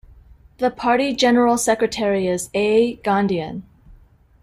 The party general secretary is A. Gandhian.